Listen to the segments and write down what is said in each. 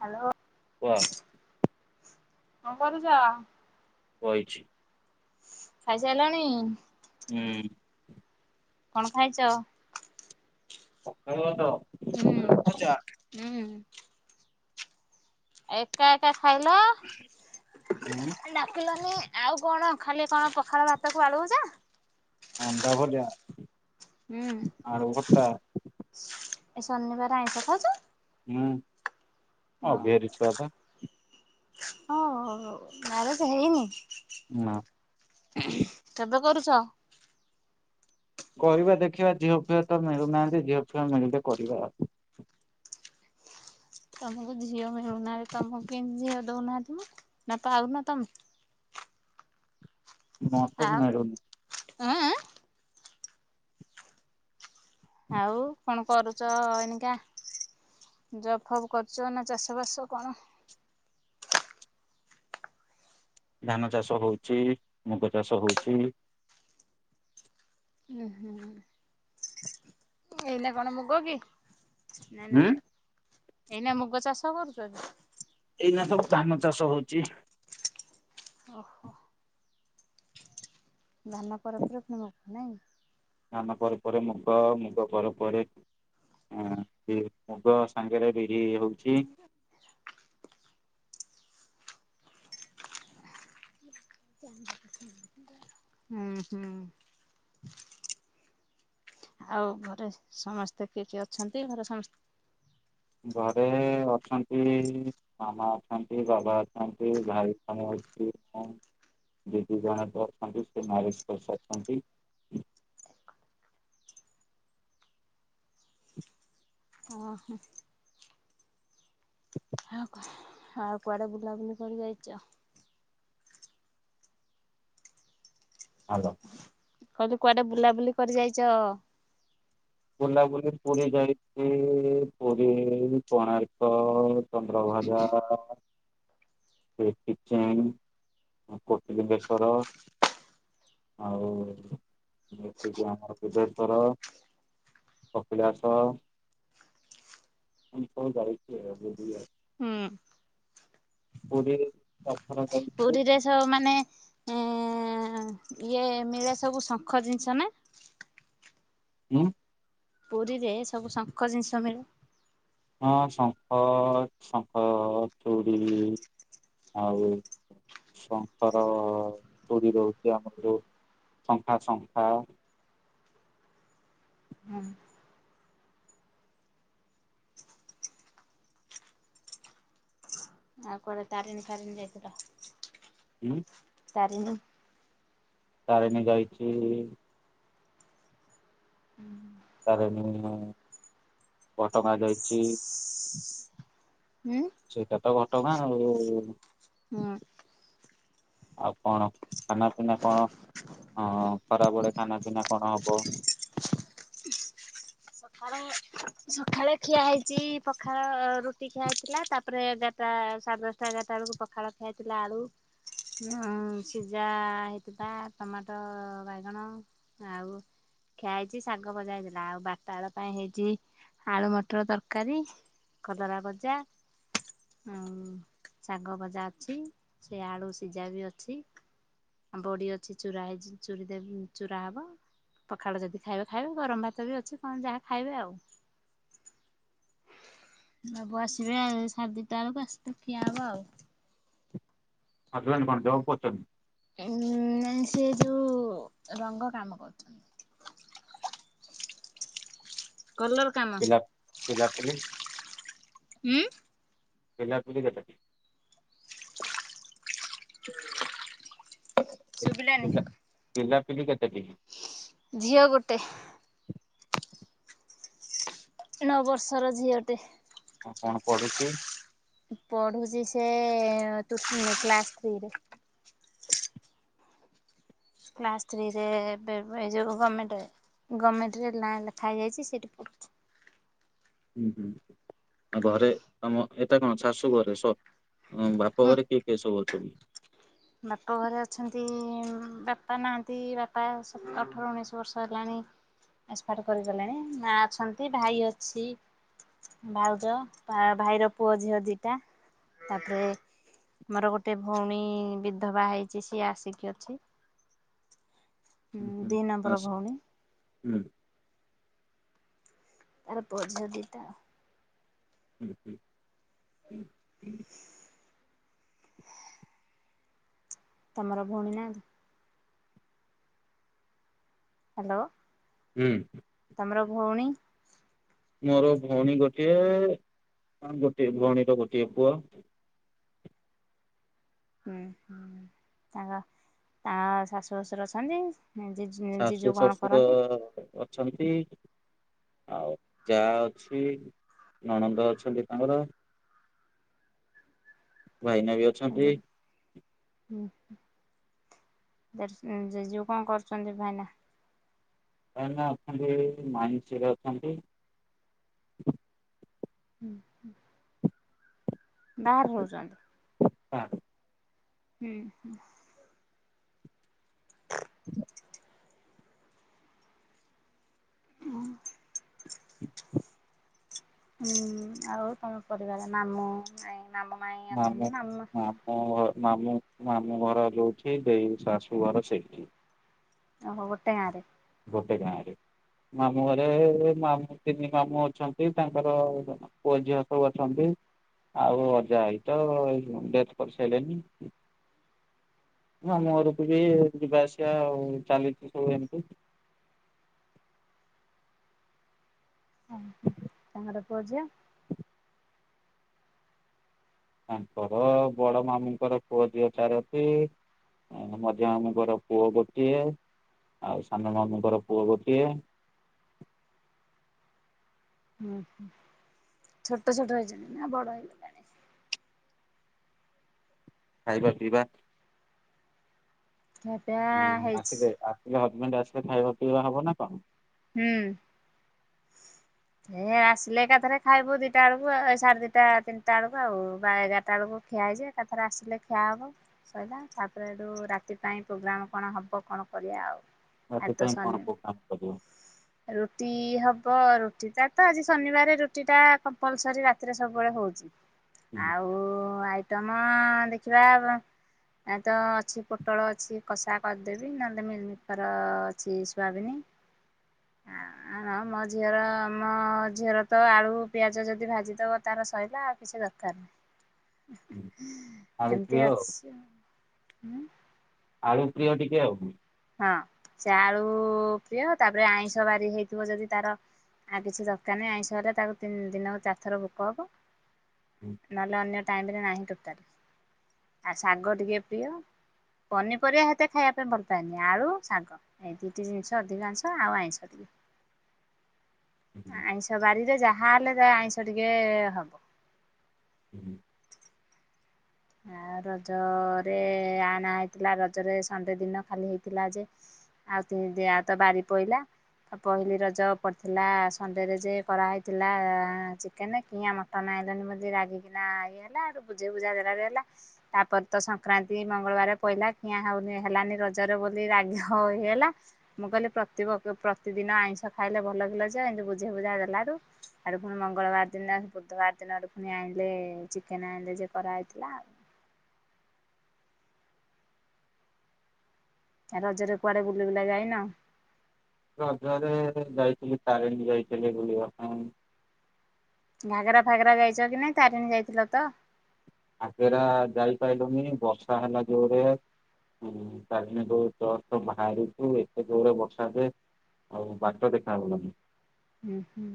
Hello ୱା କଣ କରୁଚ? ବଇଚି। ଖାଇସାରିଲଣି? ହୁଁ। କଣ ଖାଇଛ? ପଖାଳ ଭାତ। ହୁଁ ହୁଁ ଏକା ଏକା ଖାଇଲ, ଡାକିଲନି? ଆଉ କଣ ଖାଲି କଣ -ପଖାଳ ଭାତ କୁ ଆଳୁ ଭଜା? ଅଣ୍ଡାଭଜା, ହୁଁ। ଆଳୁଭର୍ତ୍ତା। ଏ ଶନିିବାର ଆଇଁସ ଖାଉଛ? ହୁଁ, ଅଭିୟାରୀଛୁଆ ପା ହଁ ଗରେ ତ ହେଇନି ନା। ତବେ [unintelligible] କରୁଛ? କରିବା ଦେଖିବା ଝିଅ ପିଅ ତ ମିଳୁନାହାନ୍ତି, ଝିଅ ଫିଅ ମିଳିଲେ କରିବା ଆଉ ତମକୁ ଝିଅ ମିଳୁନାହାନ୍ତି, ତମକୁ କେମତି ଝିଅ ଦଉନାହାନ୍ତି ମ, ନା ପାଉନ ତମେ ମତେ ମିଳୁନି। ଆଁ--ଆଁ ଆଉ କଣ କରୁଛ ଏଇନିକା? ଜବ ଫପ୍ କରୁଛ ନା ଚାଷ ବାସ କଣ? ଧାନ ଚାଷ ହଉଛି, ମୁଗ ଚାଷ ହଉଛି। ହୁଁ ହୁଁ ଏଇନ କଣ ମୁଗ କି? ନାଇଁ ନା ହୁଁ ଏଇନା ମୁଗ ଚାଷ କରୁଛ? ଏଇନା ସବୁ ଧାନ ଚାଷ ହଉଚି। ଓହୋ ଧାନ ପରେ ପରେ ପୁଣି [unintelligible] ଧାନ ପରେ ପରେ ମୁଗ, ମୁଗ ପରେ ପରେ ମୁଗ ସାଙ୍ଗରେ ବିରି ହଉଛି। ହୁଁ ହୁଁ ଆଉ ଘରେ ସମସ୍ତେ କିଛି ଅଛନ୍ତି, ଘରେ ସମସ୍ତେ ଘରେ ଅଛନ୍ତି ମାମା ଅଛନ୍ତି, ବାବା ଅଛନ୍ତି, ଭାଇ ଜଣେ ଅଛି। [inaudible] ଜଜୁ ଜଣଥ ଅଛନ୍ତି ସେ ନାରେଶ୍ୱସାରଛନ୍ତି [unintelligible] ଓହୋ ଆଉ କଣ ଆଉ କୁଆଡେ ବୁଲାବୁଲି କରି ଯାଇଛ? ଆଲ କହିଲି, କୁଆଡେ ବୁଲାବୁଲି କରି ଯାଇଛ? ବୁଲାବୁଲି ପୁରୀ ଯାଇଛି, ପୁରୀ, କୋଣାର୍କ, ଚନ୍ଦ୍ର ହଜ [unintelligible] ହ [inaudible] ସେ କିଚେନ ପ୍ରୋଟ ବେଶର [unintelligible] ଆଉ ଯେତିି ଆମର ବୁଧେଶ୍ଵର କପିଳାସ। [unintelligible] ହୁଁ ପୁରୀ ଚାରିଥର ଯାଇଛି ପୁରୀ ରେ ସବୁ ମନେ ଉ ହ ଇଏ ମିଳେ ସବୁ ଶଙ୍ଖ ଜିନିଷ ନା? ହୁଁ। ପୁରୀରେ ସବୁ ଶଙ୍ଖ ଜିନିଷ ମିଳେ। ହଁ ଶଙ୍ଖ ଶଙ୍ଖ ଚୁଡି ଆଉ ସଂସାର ପୋରି [unintelligible] ଆମର ଯୋଉ ଶଙ୍ଖା ଶଙ୍ଖା। ହୁଁ ଆଉ କୋଆଡେ ତାରିଣୀ ଫାରିଣୀ ଯାଇଥିଲ? ହୁଁ। ତାରେଣି। ତାରେଣୀ ଯାଇଛି। ତାରେଣୀ ଘଟ ଗାଁ ଯାଇଛି। ହୁଁ ସେଇଟା ତ ଘଟଗାଁ ଆଉ। ହୁଁ। ଆଉ କଣ ଖାନା ପିନା କଣ? ହଁ ଖରାବେଳେ ଖାନା ପିନା କଣ ହବ? ହୁଁ। ସକାଳେ ଖିଆ ହେଇଛି ପଖାଳ ରୁଟି ଖିଆ ହେଇଥିଲା, ତାପରେ ଏଗାରଟା ସାଢ଼େ ଦଶଟାଗାରା ବେଳକୁ ପଖାଳଖା ହେଇଥିଲା, ଆଳୁ ହିଁ ସିଝା ହେଇଥିବା ଟମାଟ, ବାଇଗଣ ଆଉ ଖିଆ ହେଇଛି ଶାଗ ବଜା ହେଇଥିଲା ଆଉ ବଟା ବେଳ ପାଇଁ ହେଇଛି। ଆଳୁ ମଟର ତରକାରୀ, କଲରା ଭଜା। ହ ଶାଗ ଭଜା ଅଛି, ସେ ଆଳୁ ସିଝା ବି ଅଛି। ଆ ବଡି ଅଛି, ଚୁର ହେଇ ଚ ଦେ ଚୁର ହବ। ପଖାଳ ଯଦି ଖାଇବେ ଖାଇବେ ଗରମ ଭାତ ବି ଅଛି କଣ ଯାହା ଖାଇବେ ଆଉ। ନବୁ ଆସିବେ ସାଢ଼େଦିଇଟା ବେଳକୁ ଆସିଲେ ଖିଆ ହବ ଆଉ। ହଜବେଣ୍ଟ କଣ ଜବ୍ [unintelligible] ଉଁ ସେ ଯୋଉ ରଙ୍ଗ କାମ କରୁଛନ୍ତି। କଲର କାମ ପିଲା ପୁଲି? ଉଁ ପିଲା ପୁଲି କେତେ? ଶୁଭିଲାନି। ପିଲାପିଲି କେତୋଟି? ଝିଅ ଗୋଟେ। ନଅ ବର୍ଷର ଝିଅଟେ। ଆଉ କଣ ପଡୁଛି? ପଢୁଛି ସେ ତୃତୀୟ କ୍ଲାସ ଥ୍ରୀରେ। କ୍ଲାସ୍ ଥ୍ରୀରେ [unintelligible] ଗମେଣ୍ଟ। ଗମେଣ୍ଟ ରେ ନାଁ ଲେଖା ଯାଇଛି ସେଠି ପ ହୁଁ ହୁଁ ଆଉ ଘରେ ତମ ଏଟା କଣ ଶୁ ଘରେ, ସ ହଁ ବାପା ଘରେ କିଏ କେ ସବୁ ଅ ବାପା ଘରେ ଅଛନ୍ତି ବାପା ନାହାନ୍ତି, ବାପା ସତ ଅଠର ଉଣେଇଶି ବର୍ଷ ହେଲାଣି ଏସ୍ପାଟ କରିଗଲେଣି, ମା ଅଛନ୍ତି ଭାଇ ଅଛି। ଭାଉଜ ଭାଇର ପୁଅ ଝିଅ ଦିଟା, ତାପରେ ମୋର ଗୋଟେ ଭଉଣୀ ବିଧବା ହେଇଛି ସିଏ ଆସିକି ଅଛି। ହୁଁ ଦିଇ ନମ୍ବର ଭଉଣୀ। [unintelligible] ତମର ଭଉଣୀ ନାହାନ୍ତି? ହ୍ୟାଲୋ ତମର ଭଉଣୀ? ମୋର ଭଉଣୀ ଗୋଟିଏ, ଗୋଟିଏ ଭଉଣୀର ଗୋଟିଏ ପୁଅ। ହୁଁ ହୁଁ ତାଙ୍କ ତାଙ୍କ ଶାଶୁ ଶଶୁର ଅଛନ୍ତି। ଜିଜୁ ଶାଶୁ ଜିଜୁ କଣ ଶଶୁର କରନ୍ତି? ଅଛନ୍ତି। ଆଉ ଯାହା ଅଛି ନଣନ୍ଦ ଅଛନ୍ତି ତାଙ୍କର ଭାଇନା ବି ଅଛନ୍ତି। ଜେଜଉ କଣ କରୁଛନ୍ତି ଭାଇନା? ଭାଇନା ଅଛନ୍ତି ମାଇନସରେ ଅଛନ୍ତି। ବାହାରେ ରହୁଛନ୍ତି। ହଁ ହୁଁ ହୁଁ। ହ ହୁଁ ଆଉ ତମ ପରିବାର ନାମ [unintelligible] ମାମୁଁ ମାମୁଁ ଘର ଯୋଉଠି ଦେଇ ଶାଶୁ ଘର ସେଇଠି। ଓହୋ ଗଟେ ଗାଁରେ? ଗୋଟେ ଗାଁ ରେ। ମାମୁଁ ଘରେ ମାମୁଁ ତିନି ମାମୁଁ ଅଛନ୍ତି। ତାଙ୍କର ପୁଅ ଝିଅ ସବୁ ଅଛନ୍ତି ଆଉ ଅଜା ଆଇ ତ ଡେଥ କରିସାରିଲେନି। ମାମୁଁ ଘରକୁ ବି ଯିବା ଆସିବା ଆଉ ଚାଲିଛି ସବୁ ଏମିତି ଓ ହଁ ତାଙ୍କ ପୁଅ ଝିଅ? ତାଙ୍କର ବଡ ମାମୁଁଙ୍କର ପୁଅ ଝିଅ ଚାରଟି ଆ ମଝିଆ ଆମଙ୍କର ପୁଅ ଗୋଟିଏ। ଆଉ ସାନ ମାମୁଁଙ୍କର ପୁଅ ଗୋଟିଏ। ହୁଁ ହ ଛୋଟ ଛୋଟ ହେଇଛନ୍ତି ନା ବଡ ହେଲେଣି? ଖାଇବା ପିଇବା ଖିଆ ପିଆ ହୁଁ ହେଇଛି ଆସିଲେ ଆସିଲେ ହଜବେଣ୍ଡ ଆସିଲେ ଖାଇବା ପିଇବା ହବ ନା କଣ? ହୁଁ। ହେଁ ଆସିଲେ ଏକାଥରେ ଖାଇବୁ ଦିଟା ବେଳକୁ ଏ ସାଢେ ଦିଟା ତିନିଟା ବେଳକୁ ଆଉ ବା ଏଗାରଟା ବେଳକୁ ଖାଏ ଯେ ଏକାଥରେ ଆସିଲେ ଖିଆ ହେବ ସଇଲା ତାପରେ ଏଠୁ ରାତି ପାଇଁ ପ୍ରୋଗ୍ରାମ୍ କଣ ହେବ କଣ ବଢ଼ିଆ ଆଉ। ଆ ସେଥିପାଇଁ କଣ କୋ କାମ କରିବ। ହ [inaudible] ରୁଟି ହବ। ରୁଟିଟା ତ ଆଜି ଶନିବାର ରୁଟିଟା କମ୍ପଲସରି ରାତିରେ ସବୁବେଳେ ହଉଛି। ଆଉ ଆଇଟମ ଦେଖିବା ବ ଏ ତ ଅଛି ପୋଟଳ ଅଛି କଷା କରିଦେବି। ନହେଲେ ମିଲମିକର ଅଛି ଶୁଆବିନି। ହଁ। ଆ ମୋ ଝିଅର ମୋ ଝିଅର ତ ଆଳୁ ପିଆଜ ଯଦି ଭାଜିଦବ ତାର ସଇଲା ଆଉ କିଛି ଦରକାର ନାହିଁ [inaudible] ଆଳୁ ପ୍ରିୟ ଏମିତି ଆଉ ଅଛି। ଉଁ ଆଳୁ ପ୍ରିୟ ଟିକେ ଆଉ। ହଁ ସେ ଆଳୁ ପ୍ରିୟ। ତାପରେ ଆଇଁଷ ବାରି ହେଇଥିବ ଯଦି ତାର ଆଉ କିଛି ଦରକାର ନାହିଁ। ଆଇଁଷ ହେଲେ ତାକୁ ତିନି ଦିନକୁ ଚାରିଥର ଭୋକ ହବ। ନହେଲେ ଅନ୍ୟ ଟାଇମରେ ନାହିଁ ଟୋଟାଲ। ଆ ଶାଗ ଟିକେ ପ୍ରିୟ। ପନିପରିବା ହେତେ ଖାଇବା ପାଇଁ ଭଲପ ଏନି ଆଳୁ ଶାଗ ଏଇ ଦିଟି ଜିନିଷ ଅଧିକାଂଶ ଆଉ ଆଇଷ ଟିକେ। ଆଇଁଷ ବାରିରେ ଯାହା ହେଲେ ତା ଆଇଁଷ ଟିକେ ହବ। ହୁଁ। ଆ ରଜରେ ଆଣା ହେଇଥିଲା ରଜରେ ସଣ୍ଡେ ଦିନ ଖାଲି ହେଇଥିଲା ଯେ ଆଉ ତ ଦି ବାରି ପଇଲା। ତ ପହିଲି ରଜ ପଡିଥିଲା ସଣ୍ଡେ ରେ ଯେ କରାହେଇଥିଲା ଚିକେନ କିଆଁ ମଟନ୍ ଆଇଁଲନି ବୋଲି ରାଗିକିନା ଇଏ ହେଲା ଆ ବୁଝେଇ ବୁଝା ଦେଲାରେ ହେଲା ତାପରେ ତ ସଂକ୍ରାନ୍ତି ମଙ୍ଗଳବାର ପଇଲା କିଆଁ ହଉନି ହେଲାନି ରଜରେ ବୋଲି ରାଗୀ ହଉ ହେଇ ହେଲା ମୁଁ କହିଲି ପ୍ରତି ବ ପ୍ରତିଦିନ ଆଇଁଷ ଖାଇଲେ ଭଲ କିଲଯେ ଏମିତି ବୁଝେଇ ବୁଝା ଦେଲାଠୁ। ଆଡେ ପୁଣି ମଙ୍ଗଳବାର ଦିନ ବୁଧବାର ଦିନ ଆଡୁ ପୁଣି ଆଣିଲେ ଚିକେନ ଆଣିଲେ ଯେ କରାହେ ଥିଲା। ରଜରେ କୁଆଡେ ବୁଲି ବୁଲା ଯାଇନ। ରଜରେ ଯାଇଥିଲି ତାରିଣୀ ଯାଇଥିଲେ ବୁଲିବା ପାଇଁ। ଘାଗରା ଫାଗରା ଯାଇଛ କି ନାଇଁ ତାରିଣୀ ଯାଇଥିଲ ତ। ଘାଗରା ଯାଇପାରଲୁନି ବର୍ଷା ହେଲା ଜୋରେ। ହୁଁ ତାରିଣୀ ଙ୍କ ଜଷ୍ଟ୍ ବାହାରୁଛୁ ଏତେ ଜୋରେ ବର୍ଷା ଯେ। ଆଉ ବାଟ ଦେଖାଗଲାନି। ହୁଁ ହୁଁ।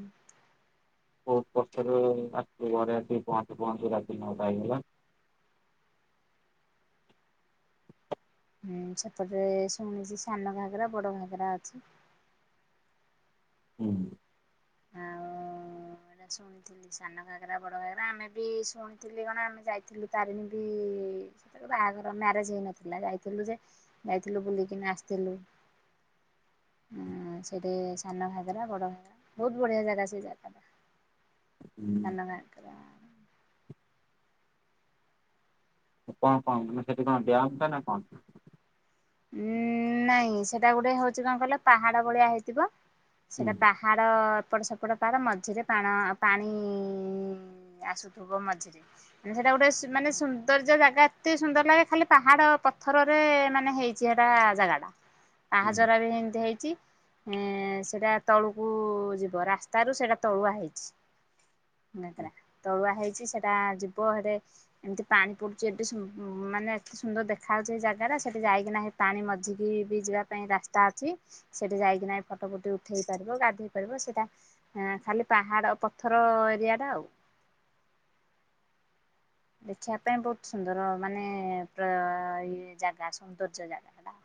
ବହୁତ ପର୍ଛରେ ଆସିବୁ ଘରେ ଆସିକି ପହଞ୍ଚୁ ପହଞ୍ଚୁ ରାତି ନଅଟା ହେଇଗଲା। [inaudible] ହୁଁ ସେପଟରେ ଶୁଣିଛି ସାନ ଘାଗରା ବଡ ଘାଗରା ଅଛି। ହୁଁ। ଏଟା ଶୁଣିଥିଲି ସାନ ଘାଗରା ବଡ ଘାଗରା ଆମେ ବି ଶୁଣିଥିଲି କଣ ଆମେ ଯାଇଥିଲୁ ତାରିଣୀ ବି ଉଁ ସେତେବେଳ ବାହାଘର ମ୍ୟାରେଜ ହେଇନଥିଲା ଯାଇଥିଲୁ ଯେ ଯାଇଥିଲୁ ବୁଲିକିନି ଆସିଥିଲୁ। [inaudible] ହଁ ସେଠି ସାନ ଘାଗରାା ବଡ ଘାଗରା ବହୁତ ବଢିଆ ଜାଗା ସେ ଜାଗା ଟା। ସାନ ଘାଗରା। କଣ କଣ ମାନେ ସେଠି କଣ ଡ୍ୟମ ଟା ନା କଣ। ଉଁ ନାଇଁ ସେଟା ଗୋଟେ ହଉଛି କଣ କହିଲ ପାହାଡ ଭଳିଆ ହେଇଥିବ। ହୁଁ ସେଟା ପାହାଡ ଏପଟ ସେପଟ ପାର ମଝିରେ ପାଣ ପାଣି ଇଁ ଆସୁଥିବ ମଝିରେ ମାନେ ସେଟା ଗୋଟେ ମାନେ ସୌନ୍ଦର୍ଯ୍ୟ ଜାଗା ଏତେ ସୁନ୍ଦର ଲାଗେ ଖାଲି ପାହାଡ ପଥରରେ ମାନେ ହେଇ ଇଚି ହେଟା ଜାଗା ଟା ହୁଁ ପାହାଚ ଊରା ବି ଏମିତି ହେଇ ଚି ସେଟା ତଳୁକୁ ଯିବ ରାସ୍ତାରୁ ସେଇଟା ତଳୁଆ ହେଇଚି। ଗତରା ତଳଆ ହେଇଛି ସେଟା ଯିବ ହେଠ ଏମିତି ପାଣି ପଡୁଛି ଏଠି ଶୁ ମୂ ମାନେ ଏତେ ସୁନ୍ଦର ଦେଖା ଯାଉଛ ଏ ଜାଗାଟା ସେଠି ଯାଇକି ନା ହେ ପାଣି ମଝିକି ବି ଯିବା ପାଇଁ ରାସ୍ତା ଅଛି ସେଠି ଯାଇକିନା ଫଟୋ ଫୁଟ ଉଠେଇ ପାରିବ ଗାଧେଇ ପାରିବ। ସେଟା ଖାଲି ପାହାଡ ପଥର ଏରିଆ ଟା ଆଉ। [inaudible] ଦେଖିବା ପାଇଁ ବହୁତ ସୁନ୍ଦର ମାନେ ଇ ଜାଗା ସୌନ୍ଦର୍ଯ୍ୟ ଜାଗାଟା। [inaudible]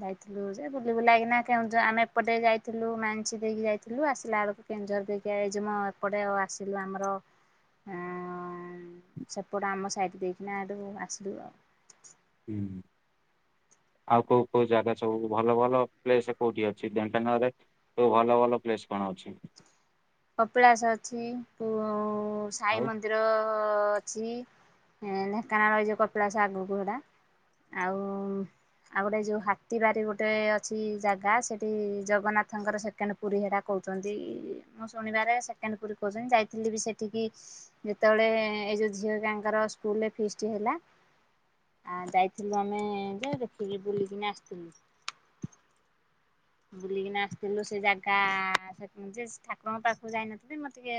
ଯାଇଥିଲୁ ଯେ ବୁଲିବୁ ଲାଗେନା କେ ଆମେ ଏପଟେ ଯାଇଥିଲୁ ମାନି ଦେଇକି ଯାଇଥିଲୁ ଆସିଲା ବେଳକୁ। କେଞଝରିକ ଏଇ ଯେମଁ ଏପଟେ ଆସିଲୁ ଆମର। ସେପଟ ଆମ ସାଇଟ ଦେଇକିନାଠୁ ଆସିଲୁ ଆଉ। ହୁଁ। ହ ଆଉ କୋଉ କୋଉ ଜାଗା ସବୁ ଭଲ ଭଲ ପ୍ଲେସ କୋଉଠି ଅଛି ଢେଙ୍କାନାଳରରେ ଯୋଉ ଭଲ ଭଲ ପ୍ଲେସ କଣ। ଅଛି। କପିଳାସ ଅଛି ଉଁ ସାଇ ଆଉ ମନ୍ଦିର ଅଛି ଢେଙ୍କାନ ରହିଛି କପିଳାସ ଆଗକୁ ହେଡା ଆଉ। ଆଉ ଗୋଟେ ଯୋଉ ହାତୀ ବାରି ଗୋଟେ ଅଛି ଜାଗା ସେଠି ଜଗନ୍ନାଥଙ୍କର ସେକେଣ୍ଡ ପୁରୀ ହେଡା କ କହୁଛନ୍ତି। ମୁଁ ଶୁଣିବାରେ ସେକେଣ୍ଡ ପୁରୀ କହୁଛନ୍ତି ଯାଇଥିଲି ବି ସେଠିକି ଯେତେବେଳେ ଏଇ ଯୋଉ ଝିଅ ହେକଙ୍କର ସ୍କୁଲରେ ଫିସ୍ ଟି ହେଲା। ଆ ଯାଇଥିଲୁ ଆମେ ଯେ ଦେଖିକି ବୁଲିକିନି ଆସିଥିଲୁ। ବୁଲିକିନା ଆସିଥିଲୁ ସେ ଜାଗା ଯେ ଠାକୁରଙ୍କ ପାଖକୁ ଯାଇନଥିଲି ମୋର ଟିକେ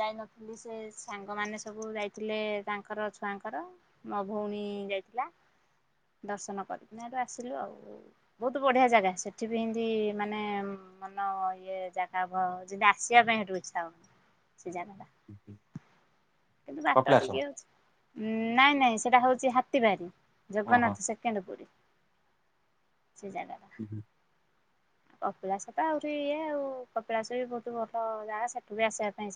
ଯାଇନଥିଲି। ସେ ସାଙ୍ଗମାନେ ସବୁ ଯାଇଥିଲେ। ତାଙ୍କର ଛୁଆଙ୍କର ମୋ ଭଉଣୀ ଯାଇଥିଲା ଦର୍ଶନ କରିକିନା ହେଠୁ ଆସିଲୁ ଆଉ ବହୁତ ବଢ଼ିଆ ଜାଗା ସେଠି ସେ ବି ଏମିତି ମାନେ ମନ ଇଏ ଜାଗା ଯେମିତି ଆସିବା ପାଇଁ ହେଠୁ ଇଚ୍ଛା ହବନି। ସେ ଜାଗା। ହ୍ନୁ ହ୍ନୁ। କିନ୍ତୁ ବାଟ ଟିକେ ହେଉଚି ନାଇଁ ନାଇଁ ସେଟା ହଉଛି ହାତୀବାରି। ଓହୋ। ଜଗନ୍ନାଥ ସେକେଣ୍ଡ ପୁରୀ ସେ ଜାଗା ହୁ ହୁ। କପିଳାସ ତ ଆହୁରି ଇଏ ଆଉ କପିଳାସ ବି ବହୁତ ଭଲ ଯାଗା ସେଠୁ ବି ଆସିବା ପାଇଁ ଇଚ୍ଛା